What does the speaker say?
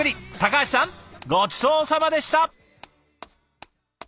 橋さんごちそうさまでした！